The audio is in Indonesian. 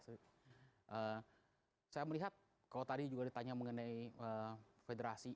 saya melihat kalau tadi juga ditanya mengenai federasi